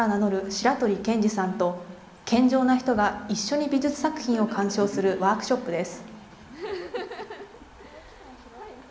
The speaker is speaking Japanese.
白鳥健二さんと健常な人が一緒に美術作品を鑑賞するワークショップです。